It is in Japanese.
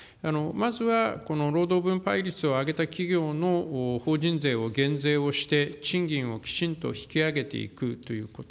まずは、この労働分配率を上げた企業の法人税を減税をして、賃金をきちんと引き上げていくということ。